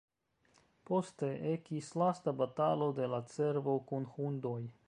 Poste ekis lasta batalo de la cervo kun hundoj.